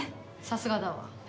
さすがだわ。